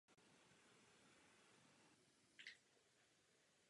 U ostatních menších měst naopak k potvrzení existence této vrstvy nedošlo.